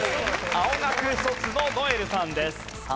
青学卒の如恵留さんです。